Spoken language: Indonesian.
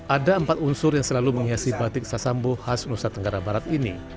ada empat unsur yang selalu menghiasi batik sasambo khas nusa tenggara barat ini